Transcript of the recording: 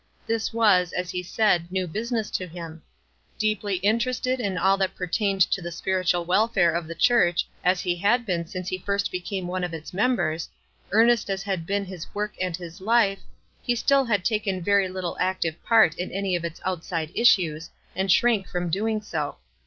This was, as he said, new business to him. Deeply interested in all that pertained to the spiritual welfare of the church as he had been since he first became one of its members, earnest as had been his work and his life, he still had taken very little WISE AND OTHERWISE. 251 active part in any of its outside issues, and shrank from doing so.